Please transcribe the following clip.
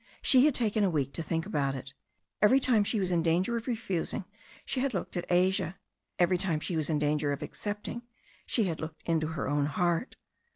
She had taken a week to think about it Every time she was in danger of refusing she had looked at Asia. Every time she was in danger of accepting she had looked into her own heart.